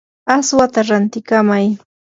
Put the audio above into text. aswata rantikamay.